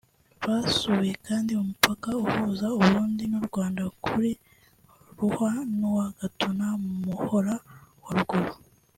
Basuye kandi umupaka uhuza u Burundi n’u Rwanda kuri Ruhwa n’uwa Gatuna mu Muhora wa Ruguru